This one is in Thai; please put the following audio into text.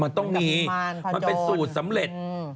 มันต้องมีมันเป็นสูตรสำเร็จ